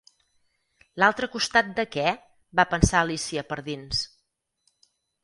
"L'altre costat de què?" va pensar Alícia per dins.